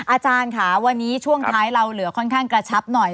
อาจารย์ค่ะวันนี้ช่วงท้ายเราเหลือค่อนข้างกระชับหน่อย